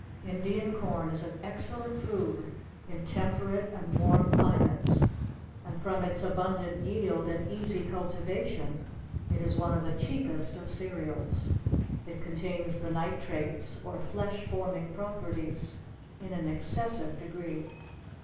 Indian corn is an excellent food in temperate and warm climates; and from its abundant yield, and easy cultivation, it is one of the cheapest of cereals. It contains the nitrates, or flesh forming properties, in an excessive degree.